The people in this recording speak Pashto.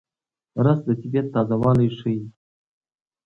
رس د طبیعت تازهوالی ښيي